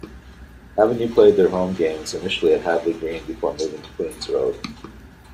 Avenue played their home games initially at Hadley Green before moving to Queens Road.